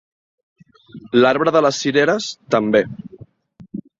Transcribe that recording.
L'arbre de les cireres, també.